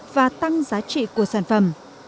và tăng giá trị của sản phẩm